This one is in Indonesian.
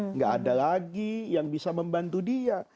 nggak ada lagi yang bisa membantu dia